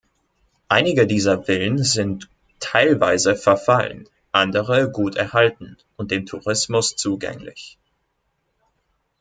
Einige dieser Villen sind teilweise verfallen, andere gut erhalten und dem Tourismus zugänglich.